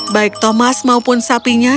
baik thomas maupun sapinya